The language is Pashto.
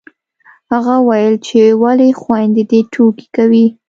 هغه وويل چې ولې خویندې دې ټوکې کوي